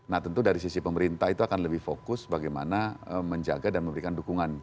nah tentu dari sisi pemerintah itu akan lebih fokus bagaimana menjaga dan memberikan dukungan